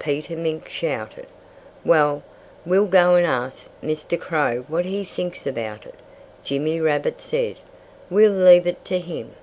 Peter Mink shouted. "Well, we'll go and ask Mr. Crow what he thinks about it," Jimmy Rabbit said. "We'll leave it to him."